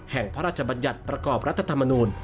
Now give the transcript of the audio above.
พระราชบัญญัติประกอบรัฐธรรมนูล